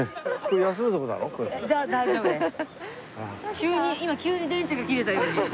急に今電池が切れたように。